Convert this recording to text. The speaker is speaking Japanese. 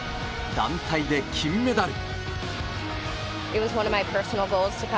団体で金メダル。